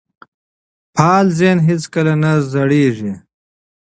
فعال ذهن هیڅکله نه زوړ کیږي.